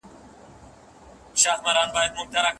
که ته په املا کي د تورو د بېلابېلو بڼو ترمنځ؟